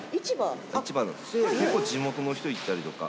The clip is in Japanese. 結構地元の人行ったりとか。